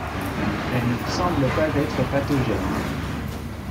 Elle semble ne pas être pathogène.